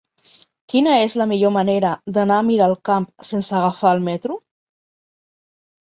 Quina és la millor manera d'anar a Miralcamp sense agafar el metro?